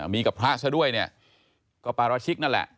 มีกับพระซะด้วยเนี่ยก็ปราชิกนั่นแหละ